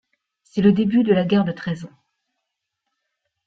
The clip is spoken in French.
C'est le début de la guerre de Treize Ans.